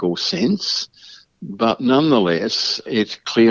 namun tidak ada yang menunjukkan